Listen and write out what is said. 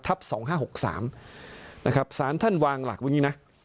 ทับ๒๕๖๓นะครับสารท่านวางหลักแบบนี้นะ